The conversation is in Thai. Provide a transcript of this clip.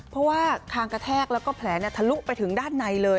เพราะว่าคางกระแทกแล้วก็แผลทะลุไปถึงด้านในเลย